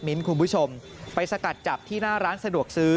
คุณผู้ชมไปสกัดจับที่หน้าร้านสะดวกซื้อ